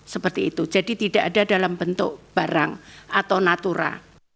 seperti itu jadi tidak ada dalam bentuk barang atau natura